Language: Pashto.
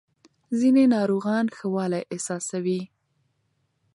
ځینې ناروغان ښه والی احساسوي.